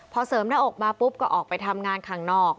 พอเสริมหน้าอกมาปุ๊บก็ออกไปทำงานข้างนอก